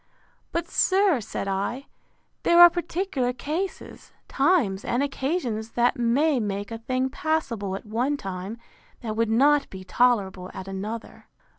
—But, sir, said I, there are particular cases, times, and occasions, that may make a thing passable at one time, that would not be tolerable at another.